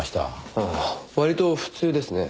ああ割と普通ですね。